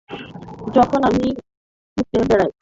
যখন আমি হেঁটে বেড়াই, যখন আমি কথা বলি!